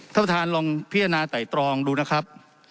ท่านประธานลองพิจารณาไต่ตรองดูนะครับ